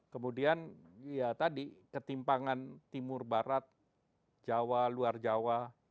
kemudian ya tadi ketimpangan timur barat jawa luar jawa